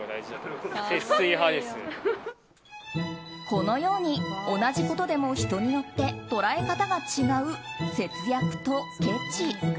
このように、同じことでも人によって捉え方が違う節約とけち。